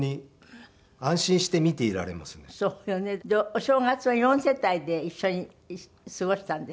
お正月は４世代で一緒に過ごしたんですって？